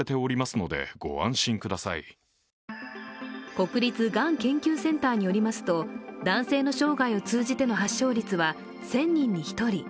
国立がん研究センターによりますと男性の生涯を通じての発症率は１０００人に１人。